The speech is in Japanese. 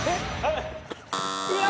うわ！